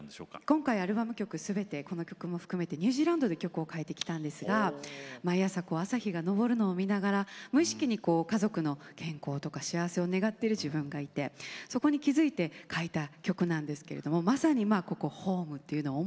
今回アルバム曲すべてこの曲も含めてニュージーランドで曲を書いてきたんですが毎朝朝日が昇るのを見ながら無意識に家族の健康とか幸せを願ってる自分がいてそこに気付いて書いた曲なんですけれどもまさにまあここホームというのを思って。